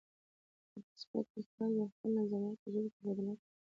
په فېسبوک کې خلک د خپلو نظریاتو او تجربو تبادله کوي